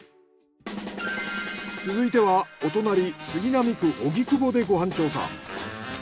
続いてはお隣杉並区荻窪でご飯調査。